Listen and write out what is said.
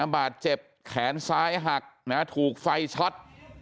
บาดเจ็บแขนซ้ายหักถูกไฟช็อต